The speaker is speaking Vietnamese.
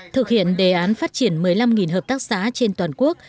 thực hiện đề án phát triển một mươi năm hợp tác xã trên toàn quốc